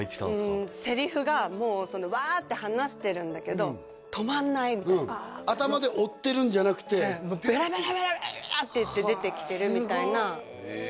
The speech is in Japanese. うんセリフがもうワーッて話してるんだけど止まんないみたいな頭で追ってるんじゃなくてベラベラベラベラ！って出てきてるみたいなへえ